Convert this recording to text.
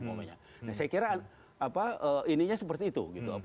nah saya kira ininya seperti itu